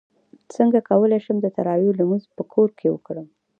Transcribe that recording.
څنګه کولی شم د تراویحو لمونځ په کور کې وکړم